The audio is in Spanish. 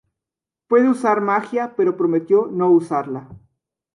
Puede usar magia, pero prometió no usarla.